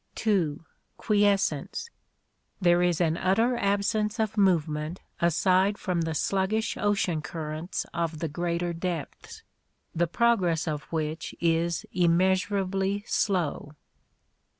(2) Quiescence. There is an utter absence of movement aside from the sluggish ocean currents of the greater depths, the progress of which is immeasurably slow.